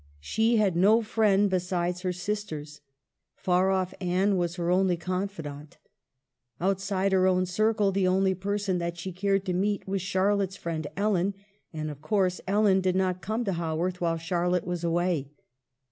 She had no friend besides her sisters ; far off Anne was her only confidante. Outside her own circle the only person that she cared to meet was Char lotte's friend Ellen, and, of course, Ellen did not come to Haworth while Charlotte was away.